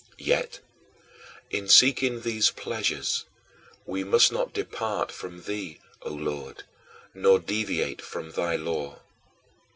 Yet, in seeking these pleasures, we must not depart from thee, O Lord, nor deviate from thy law.